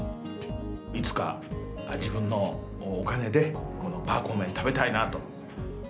いつか自分のお金で、このパーコー麺食べたいなと。